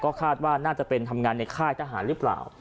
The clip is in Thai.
คาดว่าน่าจะเป็นทำงานในค่ายทหารหรือเปล่า